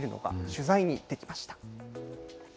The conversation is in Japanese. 取材に行ってきました。